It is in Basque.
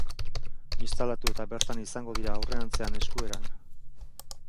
Instalatu eta bertan izango dira aurrerantzean eskueran.